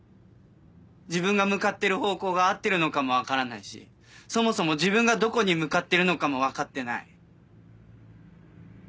自分が向かってる方向が合ってるのかも分からないしそもそも自分がどこに向かってるのかも分かってない。